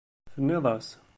Tenniḍ-as.